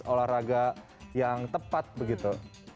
olahraga yang tepat begitu